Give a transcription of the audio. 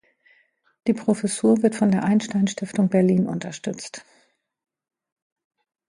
Die Professur wird von der Einstein-Stiftung Berlin unterstützt.